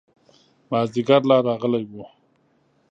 مازدیګر لا راغلی و.